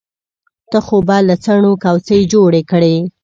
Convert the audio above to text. ته خو به له څڼو کوڅۍ جوړې کړې.